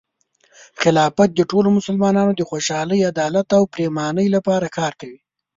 خلافت د ټولو مسلمانانو د خوشحالۍ، عدالت، او پرامنۍ لپاره کار کوي.